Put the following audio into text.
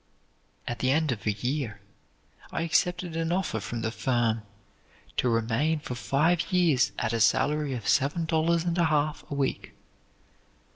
At the end of a year, I accepted an offer from the firm to remain for five years at a salary of seven dollars and a half a week.